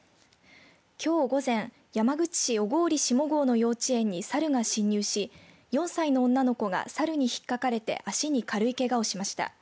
きょう午前山口市小郡下郷の幼稚園にサルが侵入し４歳の女の子がサルに引っ掛かれて足に軽いけがをしました。